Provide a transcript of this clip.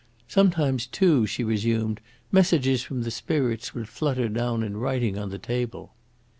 "Sometimes, too," she resumed, "messages from the spirits would flutter down in writing on the table."